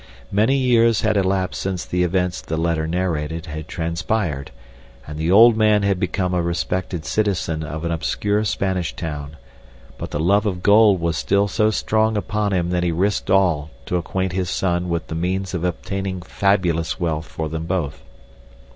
Many years had elapsed since the events the letter narrated had transpired, and the old man had become a respected citizen of an obscure Spanish town, but the love of gold was still so strong upon him that he risked all to acquaint his son with the means of attaining fabulous wealth for them both.